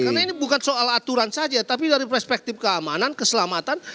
karena ini bukan soal aturan saja tapi dari perspektif keamanan keselamatan